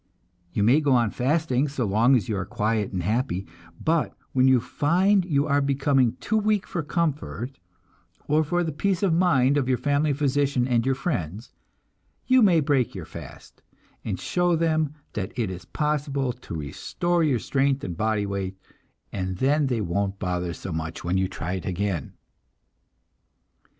You may go on fasting so long as you are quiet and happy; but when you find you are becoming too weak for comfort, or for the peace of mind of your family physician and your friends, you may break your fast, and show them that it is possible to restore your strength and body weight, and then they won't bother so much when you try it again!